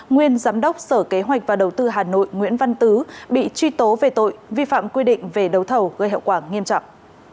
nguyên giám đốc sở kế hoạch và đầu tư hà nội nguyễn văn tứ bị truy tố về tội vi phạm quy định về đấu thầu gây hậu quả nghiêm trọng